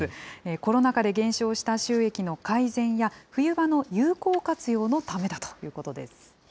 コロナ禍で減少した収益の改善や、冬場の有効活用のためだということです。